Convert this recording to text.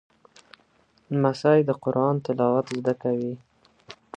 لمسی د قرآن تلاوت زده کوي.